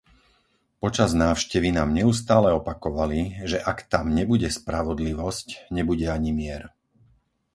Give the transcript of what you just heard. Počas návštevy nám neustále opakovali, že ak tam nebude spravodlivosť, nebude ani mier.